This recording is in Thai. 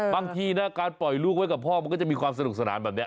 บางทีนะการปล่อยลูกไว้กับพ่อมันก็จะมีความสนุกสนานแบบนี้